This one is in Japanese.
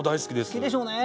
好きでしょうね。